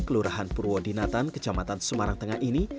kelurahan purwodinatan kecamatan semarang tengah ini